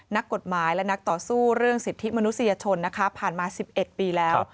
นักกฎหมายและนักต่อสู้เรื่องสิทธิมนุษยชนนะคะผ่านมา๑๑ปีแล้ว